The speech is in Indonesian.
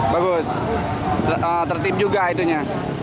bagus tertip juga itunya